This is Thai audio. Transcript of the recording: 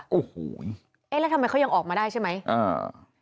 โอ้โหเอ๊ะแล้วทำไมเขายังออกมาได้ใช่ไหมอ่า